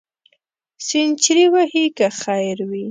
سینچري وهې که خیر وي.